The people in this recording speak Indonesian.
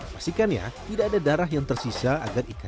pastikan ya tidak ada darah yang tersisa agar ikan